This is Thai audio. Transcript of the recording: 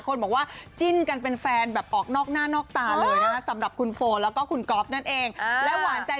คนบอกว่าจิ้นกันเป็นแฟนแบบออกนอกหน้านอกตาเลยนะคะสำหรับคุณโฟแล้วก็คุณก๊อฟนั่นเองและหวานใจ